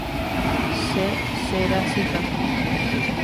Che cherasykatu.